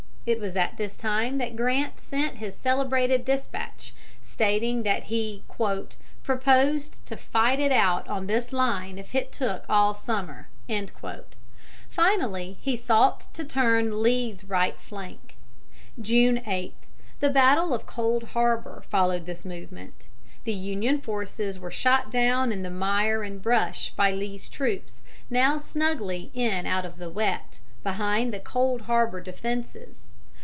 It was at this time that Grant sent his celebrated despatch stating that he "proposed to fight it out on this line if it took all summer." Finally he sought to turn Lee's right flank. June 8, the battle of Cold Harbor followed this movement. The Union forces were shot down in the mire and brush by Lee's troops, now snugly in out of the wet, behind the Cold Harbor defences.